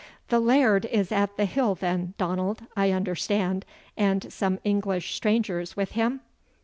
"The laird is at the hill then, Donald, I understand, and some English strangers with him?"